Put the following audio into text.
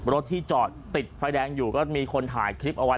รถที่จอดติดไฟแดงอยู่ก็มีคนถ่ายคลิปเอาไว้